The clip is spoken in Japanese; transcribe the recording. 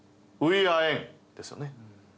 ですよね。